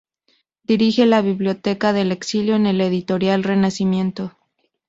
Dirige la Biblioteca del Exilio en la Editorial Renacimiento.